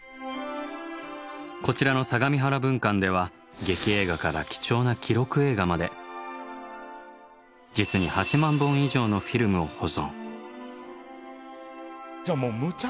こちらの相模原分館では劇映画から貴重な記録映画まで実に８万本以上のフィルムを保存。